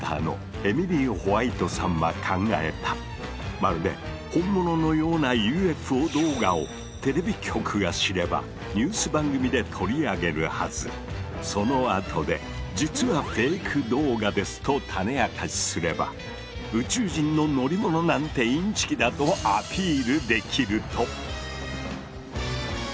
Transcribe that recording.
まるで本物のようなＵＦＯ動画をテレビ局が知ればそのあとで「実はフェイク動画です」と種明かしすれば宇宙人の乗り物なんてインチキだとアピールできると。